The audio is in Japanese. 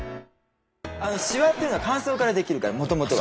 しわというのは乾燥から出来るからもともとは。